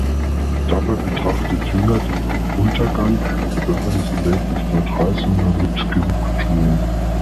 Dabei betrachtet Jünger den Untergang der bürgerlichen Welt nicht neutral, sondern mit Genugtuung.